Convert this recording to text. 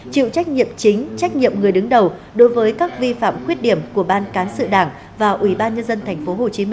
chịu trách nhiệm chính trách nhiệm người đứng đầu đối với các vi phạm quyết điểm của ban cán sự đảng và ubnd tp hcm